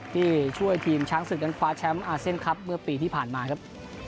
ที่ช่วยทีมช้างศึกนั้นคว้าแชมป์อาเซียนคลับเมื่อปีที่ผ่านมาครับ